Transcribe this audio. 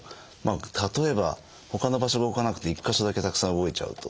例えばほかの場所が動かなくて１か所だけたくさん動いちゃうと。